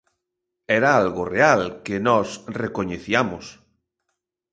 Era algo real, que nós recoñeciamos.